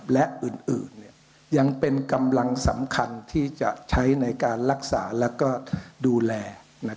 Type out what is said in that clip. และอื่นยังเป็นกำลังสำคัญที่จะใช้ในการรักษาและดูแล